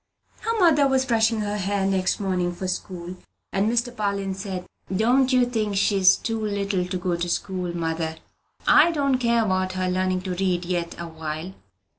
Her mother was brushing her hair next morning for school, and Mr. Parlin said, "Don't you think she's too little to go to school, mother? I don't care about her learning to read yet awhile."